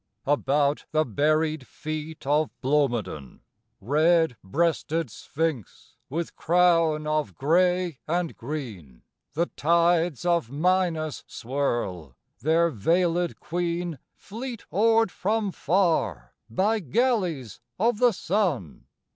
About the buried feet of Blomidon, Red breasted sphinx with crown of grey and green, The tides of Minas swirl, their veilëd queen Fleet oared from far by galleys of the sun.